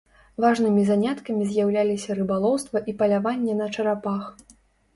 Важнымі заняткамі з'яўляліся рыбалоўства і паляванне на чарапах.